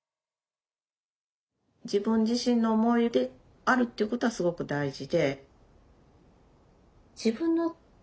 自分自身の思いであるということはすごく大事で。